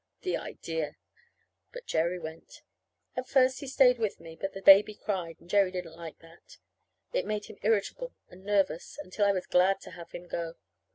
The idea! But Jerry went. At first he stayed with me; but the baby cried, and Jerry didn't like that. It made him irritable and nervous, until I was glad to have him go.